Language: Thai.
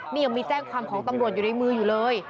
นี่ยังมีแจ้งความของตำรวจอยู่ในมืออยู่เลย